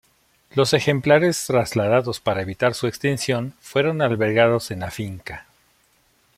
Los ejemplares trasladados para evitar su extinción, fueron albergados en la finca.